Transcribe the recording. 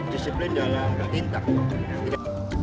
disiplin dalam berpintang